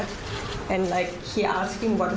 โอ้โฮขนลุกอ่ะ